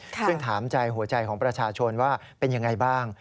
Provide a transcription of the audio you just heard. ซึ่งถามใจหัวใจของประชาชนว่าเป็นยังไงบ้าง